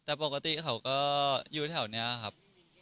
แต่ปกติเขาก็อยู่แถวนี้ครับ